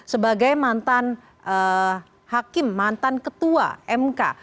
sebagai mantan hakim mantan ketua mk